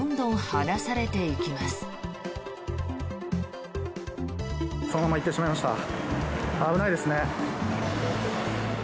危ないですね。